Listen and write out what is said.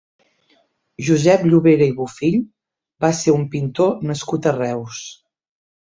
Josep Llovera i Bufill va ser un pintor nascut a Reus.